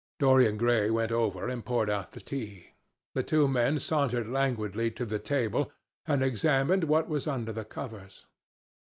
Dorian Gray went over and poured out the tea. The two men sauntered languidly to the table and examined what was under the covers.